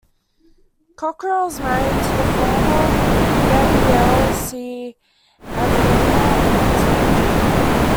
Cockrell is married to the former Gabrielle C. Avina and has three children.